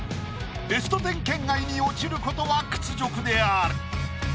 ベスト１０圏外に落ちることは屈辱である。